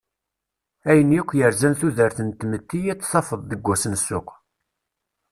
Ayen akk yerzan tudert n tmetti, ad t-tafeḍ deg wass n ssuq.